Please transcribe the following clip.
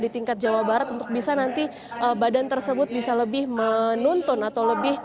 di tingkat jawa barat untuk bisa nanti badan tersebut bisa lebih menuntun atau lebih